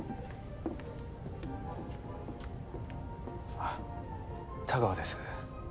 ☎あっ田川です。